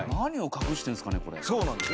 そうなんです